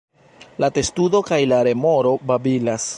La testudo kaj la remoro babilas.